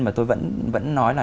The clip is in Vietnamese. mà tôi vẫn nói là